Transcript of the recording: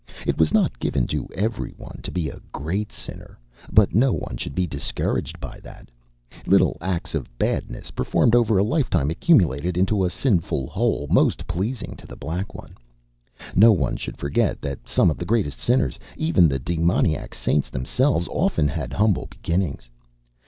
It was not given to everyone to be a great sinner; but no one should be discouraged by that. Little acts of badness performed over a lifetime accumulated into a sinful whole most pleasing to The Black One. No one should forget that some of the greatest sinners, even the demoniac saints themselves, often had humble beginnings.